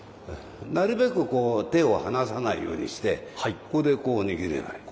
なるべくこう手を離さないようにしてここでこう握ればいい。